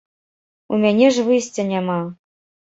У мяне ж выйсця няма.